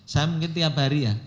saya mungkin tiap hari ya